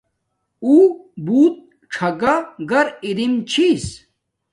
اُݸ بُݸت ڞَگݳ گَر اِرِم چھݵس.